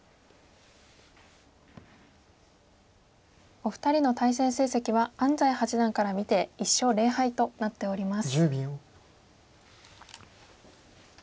お二人の対戦成績は安斎八段から見て１勝０敗となっております。